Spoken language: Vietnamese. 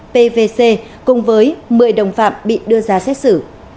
pvc cùng với một mươi đồng phạm bị đưa ra xét xử